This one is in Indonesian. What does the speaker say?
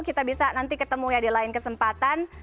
kita bisa nanti ketemu ya di lain kesempatan